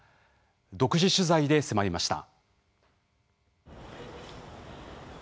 独自取材で迫りました。